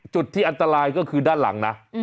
จุดที่อันตรายก็คือด้านหลังนะ